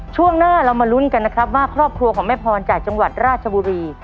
ช่วงหน้าเรามาลุ้นกันนะครับว่าครอบครัวของแม่พรจากจังหวัดราชบุรี